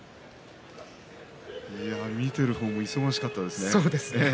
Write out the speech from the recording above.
見ている方も忙しかったですね。